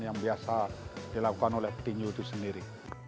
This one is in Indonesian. yang biasa dilakukan oleh tinju itu sendiri